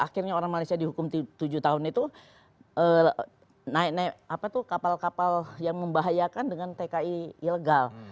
akhirnya orang malaysia dihukum tujuh tahun itu naik naik kapal kapal yang membahayakan dengan tki ilegal